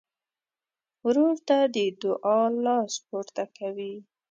ورور ته د دعا لاس پورته کوي.